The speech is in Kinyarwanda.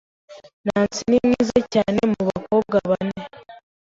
Nancy ni mwiza cyane mu bakobwa bane.